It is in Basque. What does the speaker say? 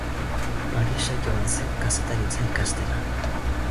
Parisa joan zen kazetaritza ikastera.